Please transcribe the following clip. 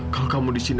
kalau kamu di sini